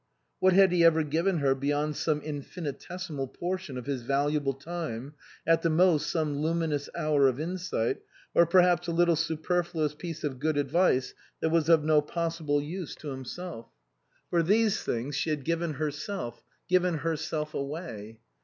What had he ever given her be yond some infinitesimal portion of his valuable time, at the most some luminous hour of in sight, or perhaps a little superfluous piece of good advice that was of no possible use to him 67 THE COSMOPOLITAN self ? For these things she had given herself given herself away.